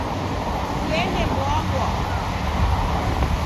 Kuende mboa mboa